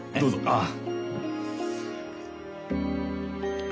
ああ。